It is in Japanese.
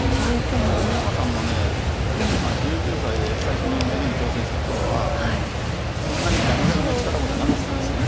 いや井山さんも１９歳で最初に名人挑戦した頃はそんなにガリガリの力碁じゃなかったんですよね。